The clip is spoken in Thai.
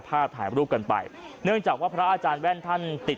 ถ่ายรูปกันไปเนื่องจากว่าพระอาจารย์แว่นท่านติด